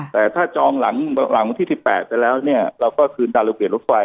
แต่ถ้าจองหลังวันที่๑๘ไปแล้วเนี่ยเราก็คืนตามระเบียบรถไฟ